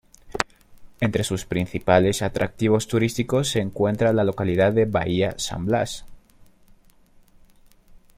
Entre sus principales atractivos turísticos se encuentra la localidad de Bahía San Blas.